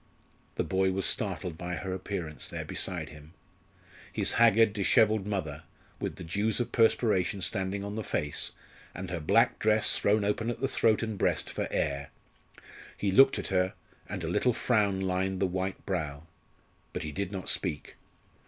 The boy was startled by her appearance there beside him his haggard, dishevelled mother, with the dews of perspiration standing on the face, and her black dress thrown open at the throat and breast for air. He looked at her, and a little frown lined the white brow. But he did not speak.